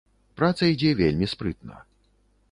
Праца ідзе вельмі спрытна.